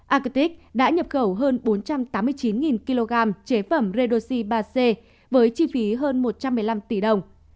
agitics đã nhập khẩu hơn bốn trăm tám mươi chín kg chế phẩm redoxi ba c với chi phí hơn một trăm một mươi năm tỷ đồng